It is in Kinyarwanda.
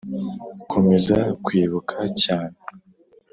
komeza kwibuka cyane